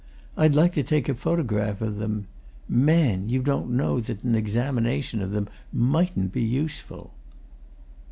I'd like to take a photograph of them. Man! you don't know that an examination of them mightn't be useful."